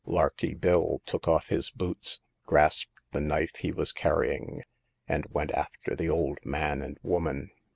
Larky Bill took off his boots, grasped the knife he was carrying, and went after the old man and woman.